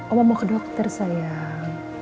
allah mau ke dokter sayang